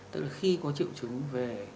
tức là khi có triệu chứng về